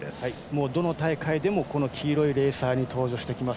どの大会でも黄色いレーサーで登場してきます。